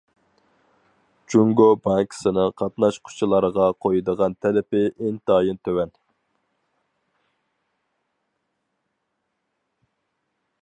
جۇڭگو بانكىسىنىڭ قاتناشقۇچىلارغا قويىدىغان تەلىپى ئىنتايىن تۆۋەن.